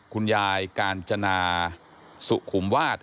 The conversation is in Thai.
คุณยายกาญจนาสุขุมวาส